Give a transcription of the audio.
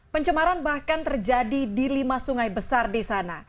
pencemaran bahkan terjadi di lima sungai besar di sana